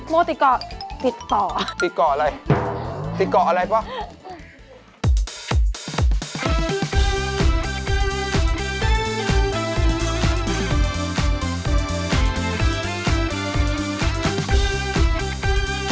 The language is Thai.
โม่ติดเกาะติดต่อ